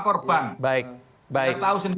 kita tahu sendiri